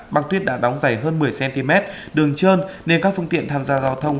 băng tuyết đã đóng dày hơn một mươi cm đường trơn nên các phương tiện tham gia giao thông